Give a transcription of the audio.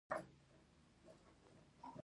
ایا له پوزې اوبه راځي؟